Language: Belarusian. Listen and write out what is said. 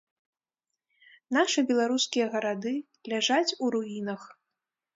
Нашы беларускія гарады ляжаць у руінах.